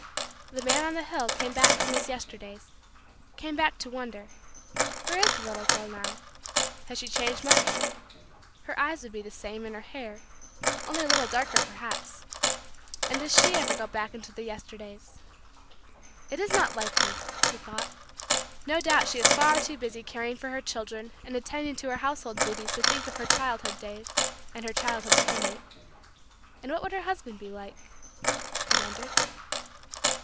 The man on the hill came back from his Yesterdays came back to wonder: "where is the little girl now? Has she changed much? Her eyes would be the same and her hair only a little darker perhaps. And does she ever go back into the Yesterdays? It is not likely," he thought, "no doubt she is far too busy caring for her children and attending to her household duties to think of her childhood days and her childhood playmate. And what would her husband be like?" he wondered.